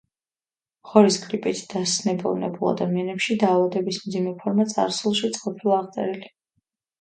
ღორის გრიპით დასნებოვნებულ ადამიანებში დაავადების მძიმე ფორმა წარსულშიც ყოფილა აღწერილი.